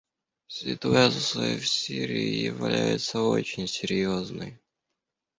Ситуация в Сирии является очень серьезной.